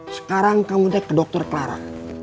sekarang kamu deh ke dokter clara